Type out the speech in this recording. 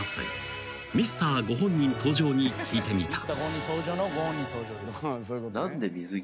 ［ミスターご本人登場に聞いてみた］